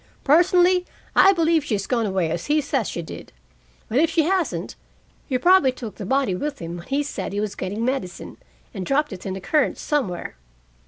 "Personally, I believe she has gone away, as he says she did. But if she hasn't He probably took the body with him when he said he was getting medicine, and dropped it in the current somewhere.